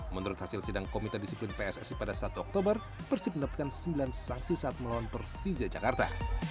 menurut hasil sidang komite disiplin pssi pada satu oktober persib mendapatkan sembilan sanksi saat melawan persija jakarta